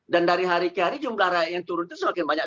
dan dari hari ke hari jumlah rakyat yang turun itu semakin banyak